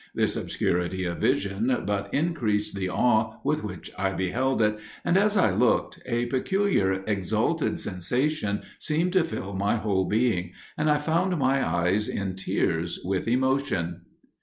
This obscurity of vision but increased the awe with which I beheld it, and as I looked, a peculiar exalted sensation seemed to fill my whole being, and I found my eyes in tears with emotion.